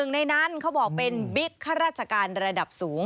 ในนั้นเขาบอกเป็นบิ๊กข้าราชการระดับสูง